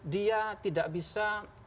dia tidak bisa